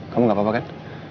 kamu gak apa apa kan